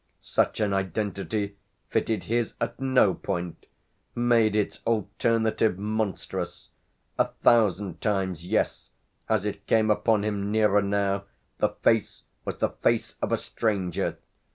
Such an identity fitted his at no point, made its alternative monstrous. A thousand times yes, as it came upon him nearer now, the face was the face of a stranger.